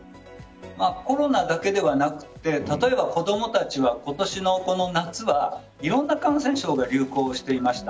コロナだけではなくて例えば子供たちは今年の夏は、いろんな感染症が流行していました。